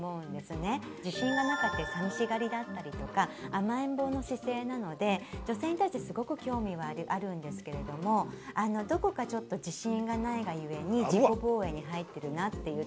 自信がなかったり寂しがりだったりとか甘えん坊の姿勢なので女性に対してすごく興味はあるんですけれどもどこかちょっと自信がないが故に自己防衛に入ってるなっていうところで。